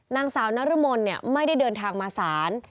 นางสาวนรมนไม่ได้เดินทางมาศาล